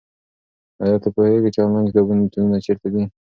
ایا ته پوهېږې چې انلاین کتابتونونه چیرته دي؟